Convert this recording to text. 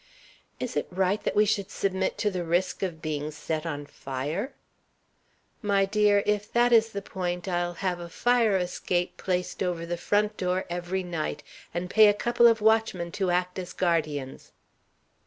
"Is it right that we should submit to the risk of being set on fire?" "My dear, if that is the point, I'll have a fire escape placed over the front door every night, and pay a couple of watchmen to act as guardians.